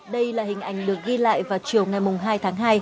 đây là hình ảnh được ghi lại vào chiều ngày hai tháng hai